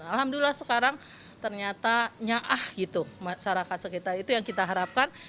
alhamdulillah sekarang ternyata nyaah ⁇ gitu masyarakat sekitar itu yang kita harapkan